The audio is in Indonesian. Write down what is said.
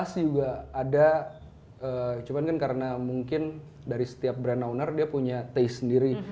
tas juga ada cuma mungkin karena dari setiap brand owner dia punya taste sendiri